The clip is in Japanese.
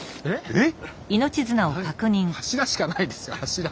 えっ！